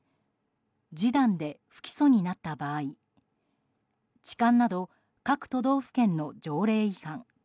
示談で不起訴になった場合痴漢など各都道府県の条例違反。